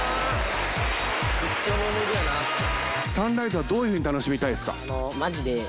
サンライズはどういうふうに楽しみたいですか？